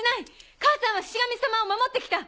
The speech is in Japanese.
母さんはシシ神様を守ってきた！